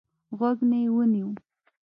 غوږ ته يې ونيو.